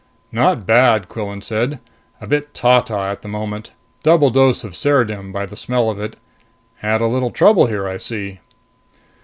"Not bad," Quillan said. "A bit ta ta at the moment. Double dose of ceridim, by the smell of it. Had a little trouble here, I see."